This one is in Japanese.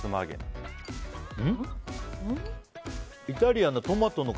イタリアンなトマトの。